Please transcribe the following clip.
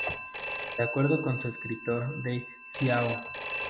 De acuerdo con un escritor de Ciao!